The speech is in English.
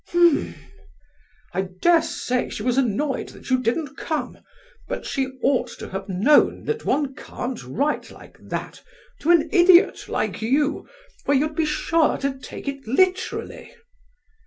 H'm! I dare say she was annoyed that you didn't come; but she ought to have known that one can't write like that to an idiot like you, for you'd be sure to take it literally."